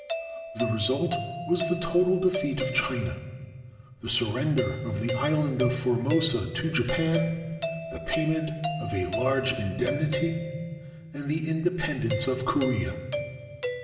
The result was the total defeat of China, the surrender of the island of Formosa to Japan, the payment of a large indem nity, and the independence of Korea.